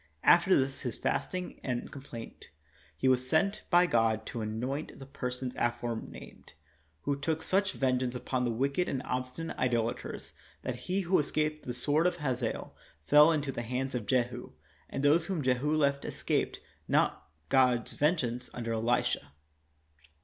After this, his fast ing and complaint, he was sent by God to anoint 31 THE WORLD'S FAMOUS ORATIONS the persons aforenamed, who took such vengeance upon the wicked and obstinate idolators that he who escaped the sword of Hazael fell into the hands of Jehu, and those whom Jehu left escaped not God's vengeance under Elisha.